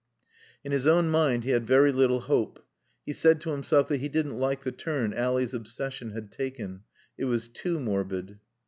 In his own mind he had very little hope. He said to himself that he didn't like the turn Ally's obsession had taken. It was too morbid.